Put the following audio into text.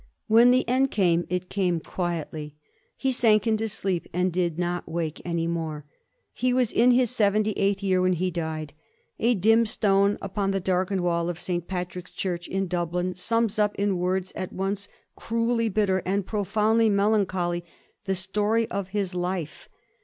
When the end came it came quietly. He sank into sleep and did not wake any more. He was in his seventy eighth year when he died. A dim stone upon the darkened wall of St. Patrick's Church in Dub lin sums up, in words at once cruelly bitter and profound ly melancholy, the story of his life.